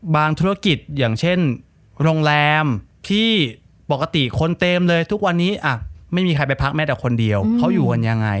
ธุรกิจอย่างเช่นโรงแรมที่ปกติคนเต็มเลยทุกวันนี้ไม่มีใครไปพักแม้แต่คนเดียวเขาอยู่กันยังไง